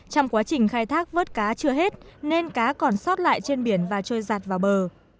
trong quá trình khai thác vớt cá chưa hết nên cá còn sót lại trên biển và trôi giặt vào bờ